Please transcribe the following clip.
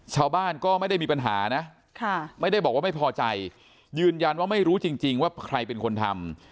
ชาวบ้านก็ไม่ได้มีปัญหานะไม่ได้บอกว่าไม่พอใจยืนยันว่าไม่รู้จริงว่าใครเป็นคนทำ